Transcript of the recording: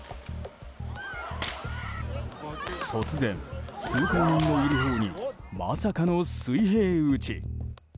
突然、通行人のいるほうにまさかの水平撃ち。